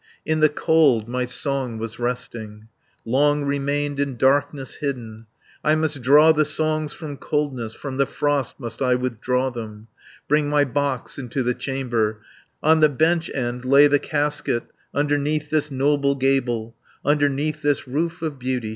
In the cold my song was resting, Long remained in darkness hidden. 80 I must draw the songs from Coldness, From the Frost must I withdraw them, Bring my box into the chamber, On the bench end lay the casket, Underneath this noble gable, Underneath this roof of beauty.